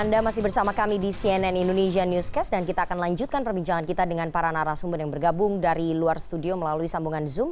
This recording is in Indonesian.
anda masih bersama kami di cnn indonesia newscast dan kita akan lanjutkan perbincangan kita dengan para narasumber yang bergabung dari luar studio melalui sambungan zoom